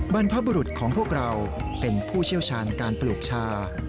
บรรพบุรุษของพวกเราเป็นผู้เชี่ยวชาญการปลูกชา